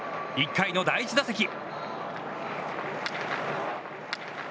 １回の第１打席。